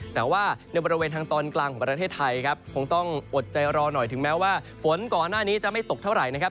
แต่ว่าในบริเวณทางตอนกลางของประเทศไทยครับคงต้องอดใจรอหน่อยถึงแม้ว่าฝนก่อนหน้านี้จะไม่ตกเท่าไหร่นะครับ